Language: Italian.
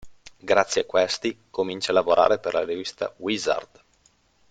Grazie a questi, comincia a lavorare per la rivista "Wizard".